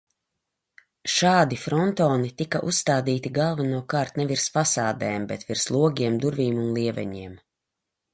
Šādi frontoni tika uzstādīti galvenokārt ne virs fasādēm, bet virs logiem, durvīm un lieveņiem.